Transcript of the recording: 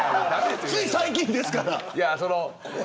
つい、最近ですから。